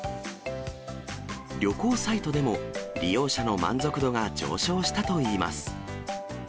旅行サイトでも、利用者の満足度が上昇したといいます。